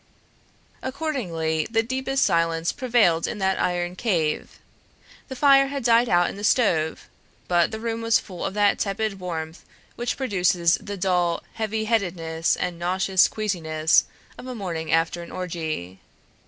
Accordingly the deepest silence prevailed in that iron cave. The fire had died out in the stove, but the room was full of that tepid warmth which produces the dull heavy headedness and nauseous queasiness of a morning after an orgy.